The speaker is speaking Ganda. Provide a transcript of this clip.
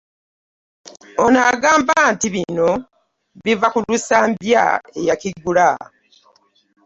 Ono agamba nti bino biva ku Lusambya eyakigula